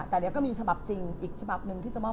สัญญาความรัก